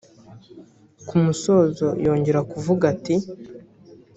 Ku musozo yongera kuvuga ati